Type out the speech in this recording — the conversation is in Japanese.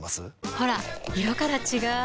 ほら色から違う！